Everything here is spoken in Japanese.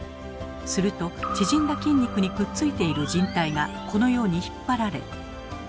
すると縮んだ筋肉にくっついているじん帯がこのように引っ張られ。